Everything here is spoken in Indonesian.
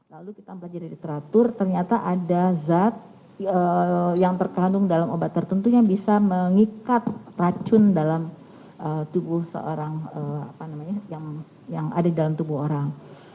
lalu kita belajar dari teratur ternyata ada zat yang terkandung dalam obat tertentu yang bisa mengikat racun dalam tubuh seorang yang ada di dalam tubuh orang